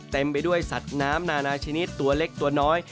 เต็มไปด้วยสัตว์น้ำนานาชนิดตัวเล็กตัวน้อย